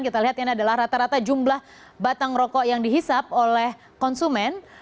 kita lihat ini adalah rata rata jumlah batang rokok yang dihisap oleh konsumen